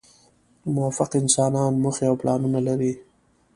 موفق انسانان موخې او پلانونه لري.